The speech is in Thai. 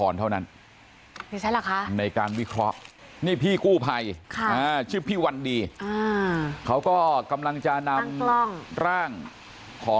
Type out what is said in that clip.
แล้วพี่เขาก็